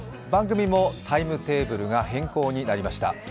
番組もタイムテーブルが変更になりました。